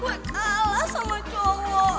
gue kalah sama cowok